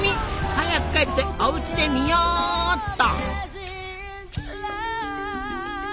早く帰っておうちで見よっと！